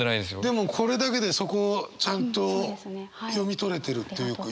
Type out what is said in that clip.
でもこれだけでそこをちゃんと読み取れてるっていうか。